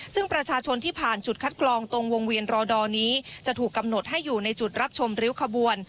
ซึ่งประชาชนที่ผ่านจุดคัดกรองตรงวงเวียนรอดอนี้จะถูกกำหนดให้อยู่ในจุดรับชมริ้วขบวน